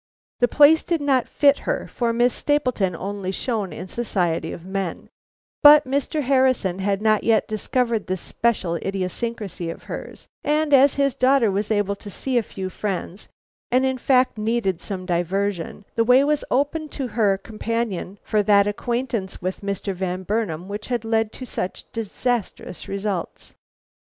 "The place did not fit her, for Miss Stapleton only shone in the society of men; but Mr. Harrison had not yet discovered this special idiosyncrasy of hers, and as his daughter was able to see a few friends, and in fact needed some diversion, the way was open to her companion for that acquaintance with Mr. Van Burnam which has led to such disastrous results.